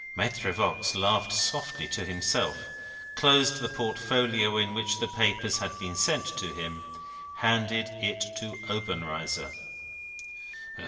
Maitre Voigt laughed softly to himself; closed the portfolio in which the papers had been sent to him; handed it to Obenreizer.